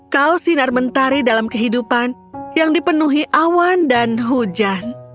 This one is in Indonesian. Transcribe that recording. kau sinar mentari dalam kehidupan yang dipenuhi awan dan hujan